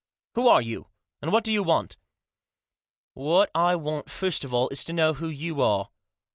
" Who are you ? And what do you want ?"" What I want first of all is to know who you are.